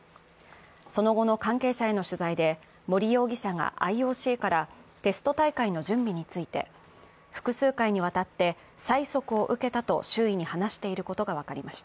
その後の関係者への取材で森容疑者がＩＯＣからテスト大会の準備について、複数回にわたって催促を受けたと周囲に話していることが分かりました。